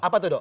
apa tuh do